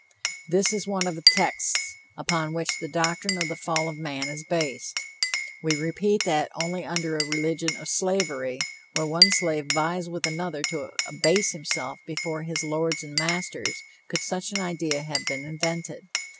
This is one of the texts upon which the doctrine of the fall of man is based. We repeat that only under a religion of slavery, where one slave vies with another to abase himself before his lords and masters, could such an idea have been invented.